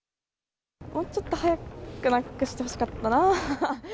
もうちょっと早くなくしてほしかったな。